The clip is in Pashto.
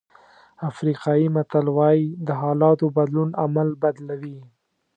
افریقایي متل وایي د حالاتو بدلون عمل بدلوي.